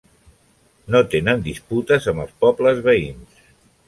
No tenen disputes amb els pobles veïns.